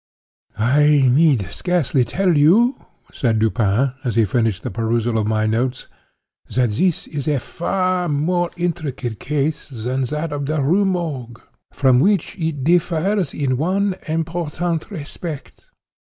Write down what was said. "I need scarcely tell you," said Dupin, as he finished the perusal of my notes, "that this is a far more intricate case than that of the Rue Morgue; from which it differs in one important respect.